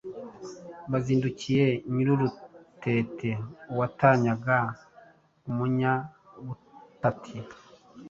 Bazindukiye Nyir-urutete, Uwatanyaga Umunya-butati.